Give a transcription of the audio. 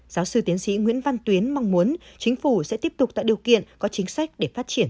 giáo sư tiến sĩ nguyễn văn tuyến mong muốn chính phủ sẽ tiếp tục tạo điều kiện có chính sách để phát triển